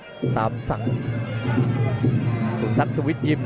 อิงซีทอง